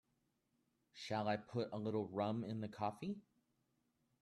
Shall I put a little rum in the coffee?